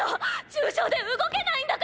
重傷で動けないんだから！！